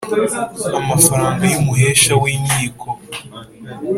amafaranga y umuhesha w inkiko.